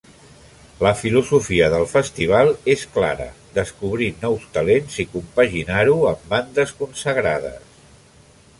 La filosofia del festival és clara, descobrir nous talents i compaginar-ho amb bandes consagrades.